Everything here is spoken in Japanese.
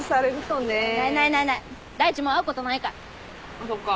あっそっか。